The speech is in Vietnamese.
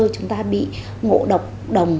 chúng ta bị ngộ độc đồng